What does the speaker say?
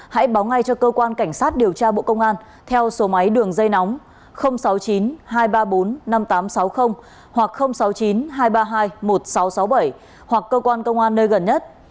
hãy báo ngay cho cơ quan cảnh sát điều tra bộ công an theo số máy đường dây nóng sáu mươi chín hai trăm ba mươi bốn năm nghìn tám trăm sáu mươi hoặc sáu mươi chín hai trăm ba mươi hai một nghìn sáu trăm sáu mươi bảy hoặc cơ quan công an nơi gần nhất